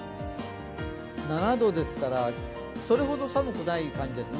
７度ですから、それほど寒くない感じですね。